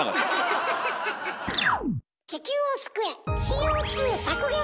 地球を救え！